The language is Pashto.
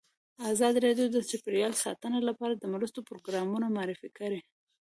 ازادي راډیو د چاپیریال ساتنه لپاره د مرستو پروګرامونه معرفي کړي.